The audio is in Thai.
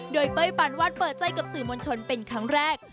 โดยเป้ยปานวาดเปิดใจกับสื่อมวลชนเป็นครั้งแรก